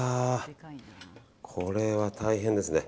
これは大変ですね。